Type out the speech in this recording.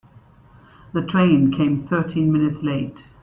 The train came thirteen minutes late.